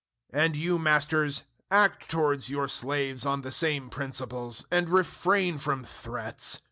006:009 And you masters, act towards your slaves on the same principles, and refrain from threats.